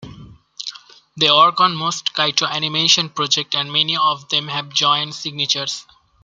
They work on most Kyoto Animation projects and many of them have joint signatures.